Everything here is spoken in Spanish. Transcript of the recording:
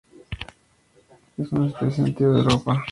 Es una especie nativa de Europa.